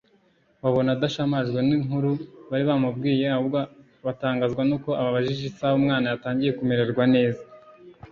. Babona adashamajwe n’inkuru bari bamubwiye, ahubwo batangazwa n’uko ababajije isaha umwana yatangiye kumererwa neza